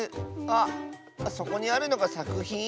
あっそこにあるのがさくひん？